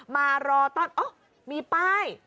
มารอต้อนโอ๊ยมีป้าย